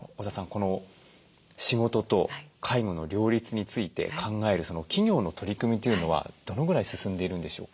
この仕事と介護の両立について考える企業の取り組みというのはどのぐらい進んでいるんでしょう？